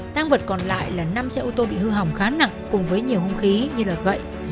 tăng vật còn lại là năm xe ô tô bị hư hỏng khá nặng